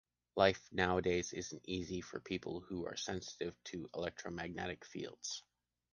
Life nowadays isn’t easy for people who are sensitive to electromagnetic fields.